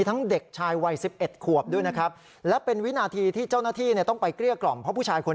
ก็เขียกปืนปืนแน่นหนึ่งครับมันจะยง